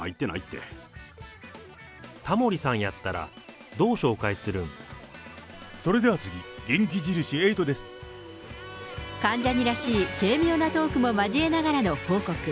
タモリさんやったらどう紹介それでは次、関ジャニらしい軽妙なトークも交えながらの報告。